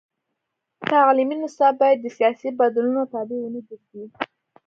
تعلیمي نصاب باید د سیاسي بدلونونو تابع ونه ګرځي.